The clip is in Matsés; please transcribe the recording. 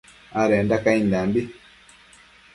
adenda caindambi